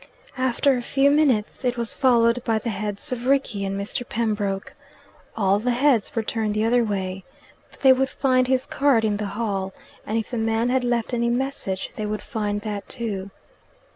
After a few minutes it was followed by the heads of Rickie and Mr. Pembroke. All the heads were turned the other way. But they would find his card in the hall, and if the man had left any message they would find that too.